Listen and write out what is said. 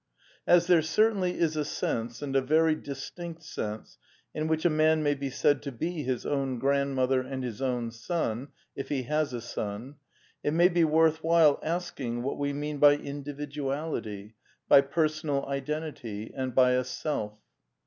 As there certainly is a sense, and a very distinct sense, in which a man may be said to be his own grandmother and his own son (if he has a son), it may be worth while asking what we mean by Individuality, by Personal Iden tity, and by a Self